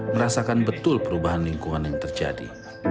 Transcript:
merasakan betul perubahan lingkungan yang terjadi